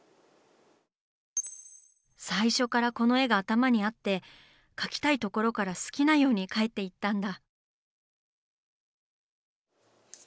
最初からこの絵が頭にあって描きたいところから好きなように描いていったんだ。